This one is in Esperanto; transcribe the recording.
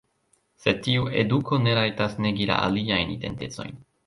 Sed tiu eduko ne rajtas negi la aliajn identecojn.